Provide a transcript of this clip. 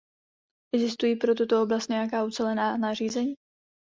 Existují pro tuto oblast nějaká ucelená nařízení?